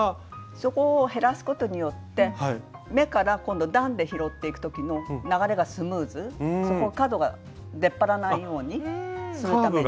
そこを減らすことによって目から今度段で拾っていく時の流れがスムーズそこ角が出っ張らないようにするために。